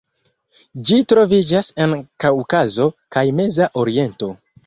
Ĝi troviĝas en Kaŭkazo kaj Meza Oriento.